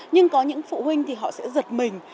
nhưng có những phụ huynh thì họ sẽ giật mình